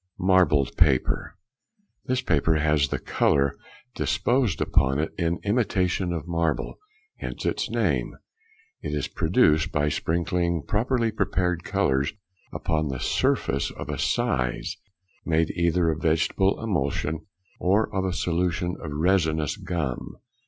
Marbled Paper.—This paper has the colour disposed upon it in imitation of marble; hence its name. It is produced by sprinkling properly prepared colours upon the surface of a size, made either of a vegetable emulsion, |34| or of a solution of resinous gum.